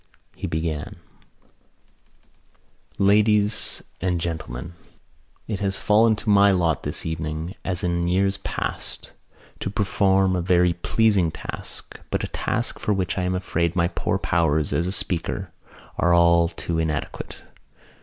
He began: "Ladies and Gentlemen, "It has fallen to my lot this evening, as in years past, to perform a very pleasing task but a task for which I am afraid my poor powers as a speaker are all too inadequate."